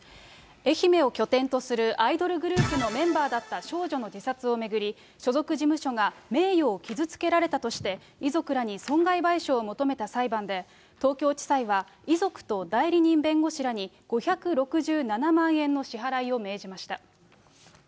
愛媛を拠点とするアイドルグループのメンバーだった少女の自殺を巡り、所属事務所が名誉を傷つけられたとして遺族らに損害賠償を求めた裁判で、東京地裁は遺族と代理人弁護士らに５６７万円の損害賠償の支払いを命じました。